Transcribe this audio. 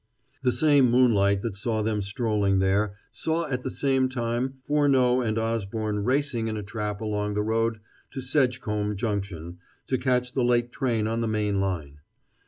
The same moonlight that saw them strolling there, saw at the same time Furneaux and Osborne racing in a trap along the road to Sedgecombe Junction to catch the late train on the main line.